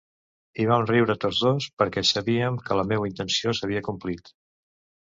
I vam riure, tots dos, perquè sabíem que la meua intuïció s'havia complit.